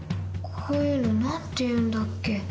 こういうの何ていうんだっけ？